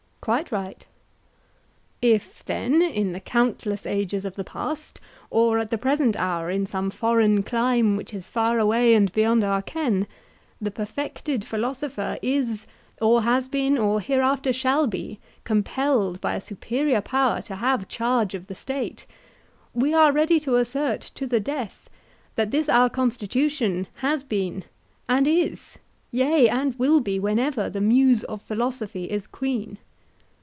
Quite right. If then, in the countless ages of the past, or at the present hour in some foreign clime which is far away and beyond our ken, the perfected philosopher is or has been or hereafter shall be compelled by a superior power to have the charge of the State, we are ready to assert to the death, that this our constitution has been, and is—yea, and will be whenever the Muse of Philosophy is queen.